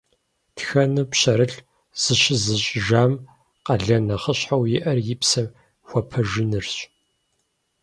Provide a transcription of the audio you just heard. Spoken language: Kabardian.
Тхэну пщэрылъ зыщызыщӀыжам къалэн нэхъыщхьэу иӀэр и псэм хуэпэжынырщ.